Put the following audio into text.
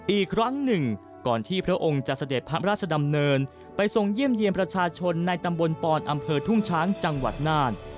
อีกครั้งหนึ่งก่อนที่พระองค์จะเสด็จพระราชดำเนินไปทรงเยี่ยมเยี่ยมประชาชนในตำบลปอนอำเภอทุ่งช้างจังหวัดน่าน